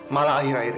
malah akhir akhir ini